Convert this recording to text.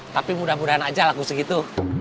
tapi mudah mudahan aja lah aku segitu